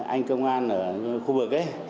anh công an ở khu vực ấy